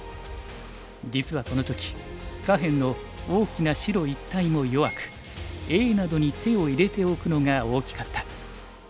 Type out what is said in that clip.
実はこの時下辺の大きな白一帯も弱くＡなどに手を入れておくのが大きかった。